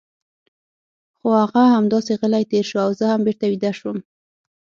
خو هغه همداسې غلی تېر شو او زه هم بېرته ویده شوم.